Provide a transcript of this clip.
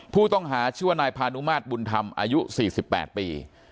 ผู้ต้องหาชื่อว่านายพานุมาตรบุญธรรมอายุ๔๘ปี